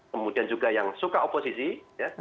kemudian juga yang suka operasi itu juga ada tiga kelompok gitu